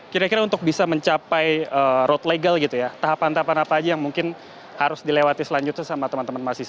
kira kira untuk bisa mencapai road legal gitu ya tahapan tahapan apa aja yang mungkin harus dilewati selanjutnya sama teman teman mahasiswa